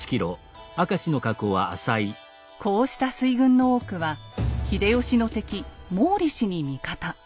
こうした水軍の多くは秀吉の敵毛利氏に味方。